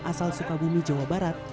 asal sukabumi jawa barat